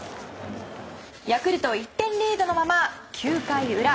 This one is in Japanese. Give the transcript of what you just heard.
ヤクルト１点リードのまま９回裏。